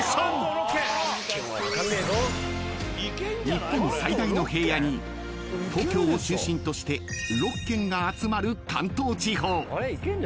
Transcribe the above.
［日本最大の平野に東京を中心として６県が集まる関東地方］